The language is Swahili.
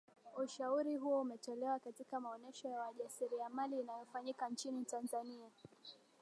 ushauri huo umetolewa katika maonesho ya wajasiriamali inayofanyika nchini tanzania